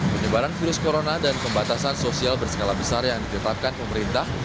penyebaran virus corona dan pembatasan sosial berskala besar yang ditetapkan pemerintah